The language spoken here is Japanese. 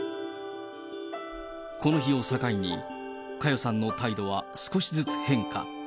この日を境に、佳代さんの態度は少しずつ変化。